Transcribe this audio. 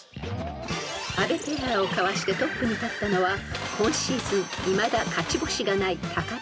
［阿部ペアをかわしてトップに立ったのは今シーズンいまだ勝ち星がないタカペア］